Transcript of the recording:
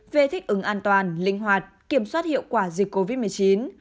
về thích ứng an toàn linh hoạt kiểm soát hiệu quả dịch covid một mươi chín